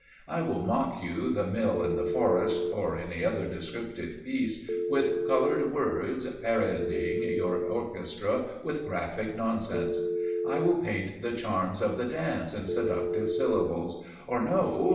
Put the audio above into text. I will mock you the "Mill in the Forest," or any other descriptive piece, with coloured words, parodying your orchestra with graphic nonsense. I will paint the charms of the dance in seductive syllables; or no!